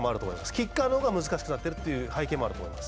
キッカーの方が難しくなっているという背景もあると思います。